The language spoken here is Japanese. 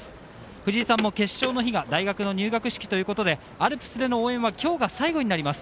藤井さんも決勝の日が大学の入学式ということでアルプスでの応援は今日が最後になります。